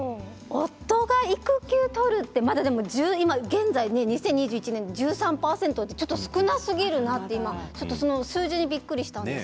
夫が育休を取るって現在、２０２１年で１３％って少なすぎるなってなって数字にびっくりしました。